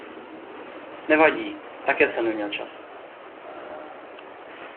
Nevadí - také jsem neměl čas.